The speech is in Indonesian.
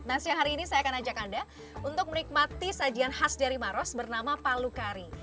nah siang hari ini saya akan ajak anda untuk menikmati sajian khas dari maros bernama palu kari